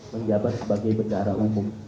menjabat sebagai bendahara umum